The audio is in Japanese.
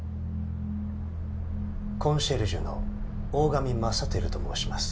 コンシェルジュの大神マサテルと申します。